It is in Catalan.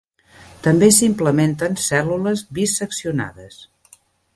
També s'implementen cèl·lules bi-seccionades.